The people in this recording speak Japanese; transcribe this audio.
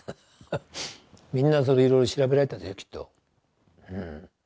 みんないろいろ調べられたでしょきっと。